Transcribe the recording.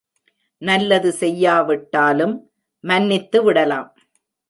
நல்லது செய்யாவிட்டாலும் மன்னித்து விடலாம்.